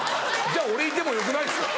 じゃあ俺いてもよくないですか？